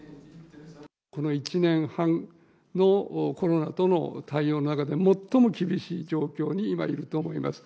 この１年半のコロナとの対応の中で、最も厳しい状況に今いると思います。